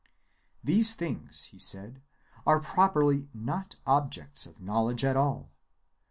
These things, he said, are properly not objects of knowledge at all.